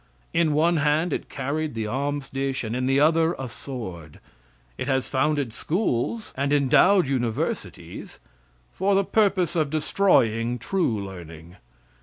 In one hand it carried the alms dish, and in the other a sword. It has founded schools and endowed universities for the purpose of destroying true learning.